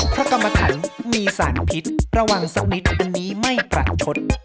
กรรมถันมีสารพิษระวังสักนิดวันนี้ไม่ประชด